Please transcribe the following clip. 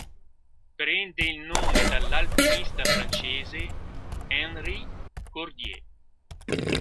Prende il nome dall'alpinista francese Henri Cordier.